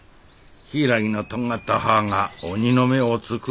「柊のとんがった葉が鬼の目を突く」